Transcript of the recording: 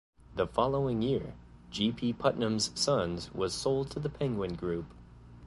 The following year, G. P. Putnam's Sons was sold to the Penguin Group.